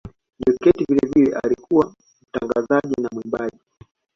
Jokate vilevile alikuwa mtangazaji na mwimbaji